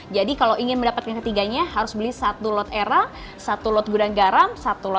jadi kalau ingin mendapatkan ketiganya harus beli satu lot era satu lot gudang garam satu lot telkom